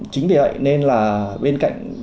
chính vì vậy nên là bên cạnh